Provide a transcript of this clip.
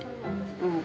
うん。